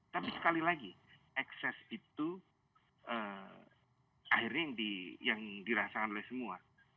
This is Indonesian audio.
tapi sekali lagi ekses itu akhirnya yang dirasakan oleh semua